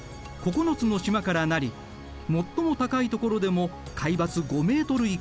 ９つの島から成り最も高い所でも海抜５ｍ以下。